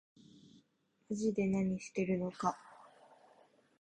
まぢで何してるのか